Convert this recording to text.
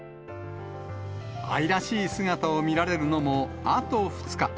愛らしい姿を見られるのもあと２日。